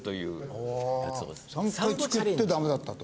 ３回作ってダメだったと？